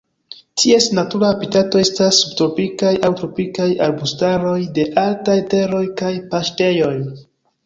Ties natura habitato estas subtropikaj aŭ tropikaj arbustaroj de altaj teroj kaj paŝtejoj.